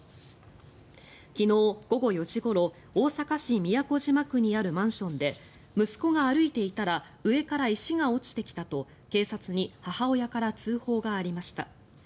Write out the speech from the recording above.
昨日午後４時ごろ大阪市都島区にあるマンションで息子が歩いていたら上から石が落ちてきたと警察に母親から通報がありました。